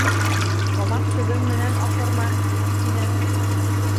Тамаҡ төбөң менән аҡырма! — тине.